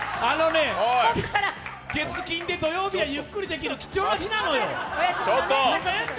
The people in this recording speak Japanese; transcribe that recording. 月金で土曜日はゆっくりできる貴重な日なのよ、ごめんね。